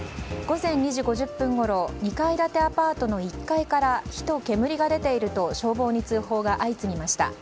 午前２時５０分ごろ２階建てアパートの１階から火と煙が出ていると消防に通報が相次ぎました。